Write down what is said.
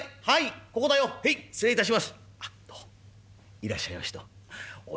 いらっしゃいましどうも。